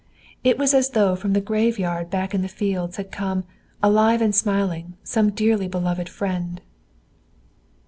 It was as though from the graveyard back in the fields had come, alive and smiling, some dearly beloved friend.